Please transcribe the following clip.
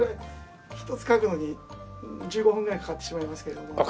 一つ描くのに１５分ぐらいかかってしまいますけれども。